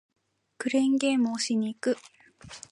クレーンゲームをしに行く